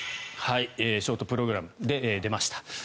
ショートプログラムで出ました。